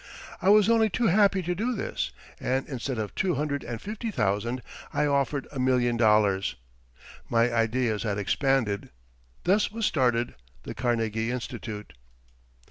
I was only too happy to do this and, instead of two hundred and fifty thousand, I offered a million dollars. My ideas had expanded. Thus was started the Carnegie Institute.